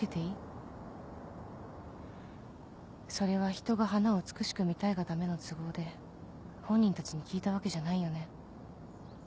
それは人が花を美しく見たいがための都合で本人たちに聞いたわけじゃないよね。